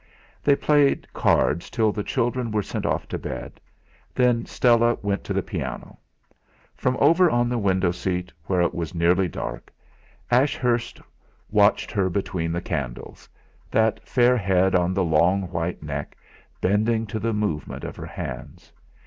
They played cards till the children were sent off to bed; then Stella went to the piano. From over on the window seat, where it was nearly dark, Ashurst watched her between the candles that fair head on the long, white neck bending to the movement of her hands.